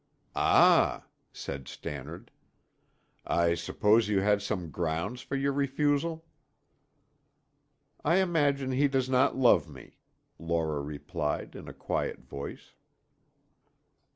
"Ah," said Stannard. "I suppose you had some grounds for your refusal?" "I imagine he does not love me," Laura replied in a quiet voice.